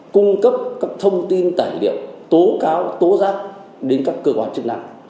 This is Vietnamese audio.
cung cấp các thông tin tài liệu tố cáo tố giác đến các cơ quan chức năng